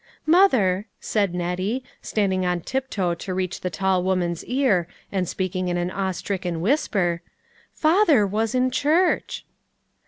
"^" Mother," said Nettie, standing on tiptoe to reach the tall woman's ear, and speaking in an awe stricken whisper, " father was in church